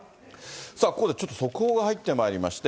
さあ、ここでちょっと速報が入ってまいりまして。